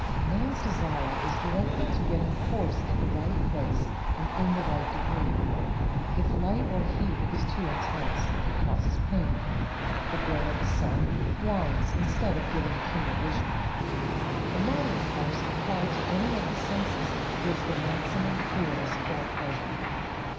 Man's desire is directed to getting force at the right place and in the right degree. If light or heat is too intense, it causes pain; the glare of the sun blinds instead of giving keener vision. A moderate force applied to any of the senses gives the maximum clearness or pleasure.